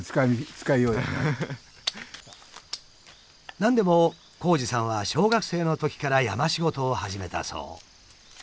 何でも紘二さんは小学生のときから山仕事を始めたそう。